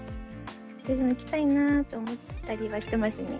私も行きたいなと思ったりはしてますね。